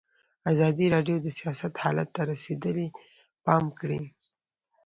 ازادي راډیو د سیاست حالت ته رسېدلي پام کړی.